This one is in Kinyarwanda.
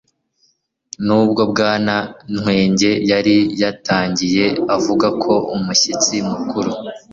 nubwo bwana nwege yari yatangiye avuga ko umushyitsi mukuru